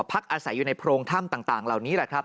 พักอาศัยอยู่ในโพรงถ้ำต่างเหล่านี้แหละครับ